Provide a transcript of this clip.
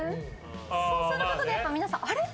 そうすることで皆さんあれっ！？